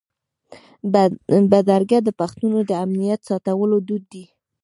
بدرګه د پښتنو د امنیت ساتلو دود دی.